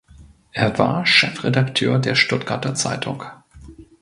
Er war Chefredakteur der "Stuttgarter Zeitung".